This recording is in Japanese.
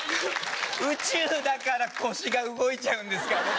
宇宙だから腰が動いちゃうんですかね。